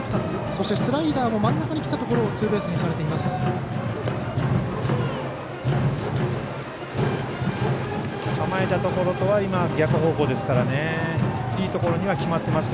そしてスライダーも真ん中にきたところツーベースにされています。